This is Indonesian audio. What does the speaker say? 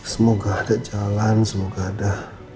semoga ada jalan semoga ada